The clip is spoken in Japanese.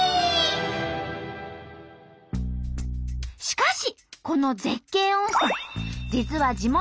しかしこの絶景温泉